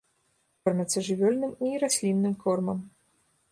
Кормяцца жывёльным і раслінным кормам.